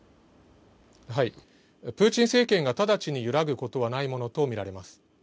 プーチン政権が直ちに揺らぐことはないものと見られます。